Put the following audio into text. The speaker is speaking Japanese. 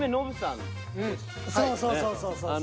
そうそうそうそう。